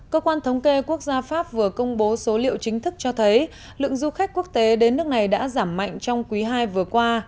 cơ quan thống kê quốc gia pháp vừa công bố số liệu chính thức cho thấy lượng du khách quốc tế đến nước này đã giảm mạnh trong quý ii vừa qua